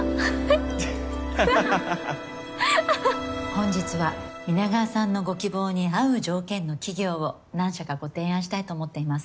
本日は皆川さんのご希望に合う条件の企業を何社かご提案したいと思っています。